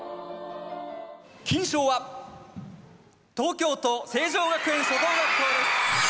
金賞は東京都成城学園初等学校です。